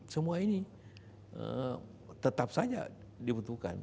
semua ini tetap saja dibutuhkan